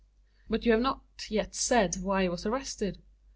"But you have not yet said why he is arrested."